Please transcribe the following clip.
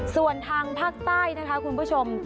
ส่วนทางภาคใต้นะคะคุณผู้ชม